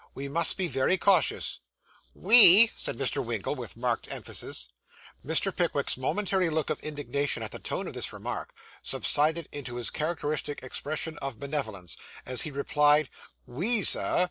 We must be very cautious.' 'We!' said Mr. Winkle, with marked emphasis. Mr. Pickwick's momentary look of indignation at the tone of this remark, subsided into his characteristic expression of benevolence, as he replied 'We, Sir!